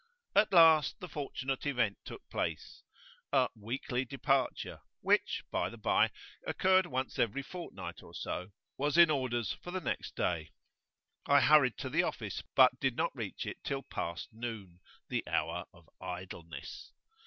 At last the fortunate event took place: a "weekly departure," which, by the bye, occurred once every fortnight or so, was in orders for the next day. I hurried to the office, but did not reach it till past noon the hour of idleness.